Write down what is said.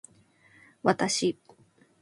わたし